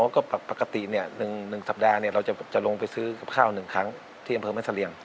อ๋อก็ปกติเนี่ย๑สัปดาห์เนี่ยเราจะลงไปซื้อกับข้าว๑ครั้งที่อำเภอแม่เซลียง